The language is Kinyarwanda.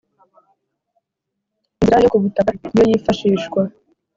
Inzira yo ku butaka niyoyifashishwa.